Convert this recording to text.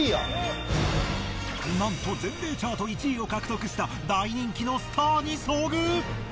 なんと全米チャート１位を獲得した大人気のスターに遭遇！